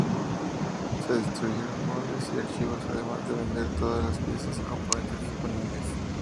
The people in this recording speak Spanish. Se destruyeron moldes y archivos, además de vender todas las piezas y componentes disponibles.